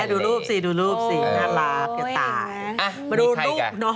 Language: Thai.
ดูรูปสิดูรูปสิน่ารักก็ตาย